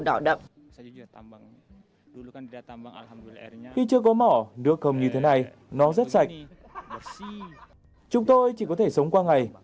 đỏ đậm khi chưa có mỏ nước không như thế này nó rất sạch chúng tôi chỉ có thể sống qua ngày